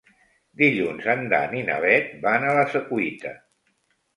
Dilluns en Dan i na Bet van a la Secuita.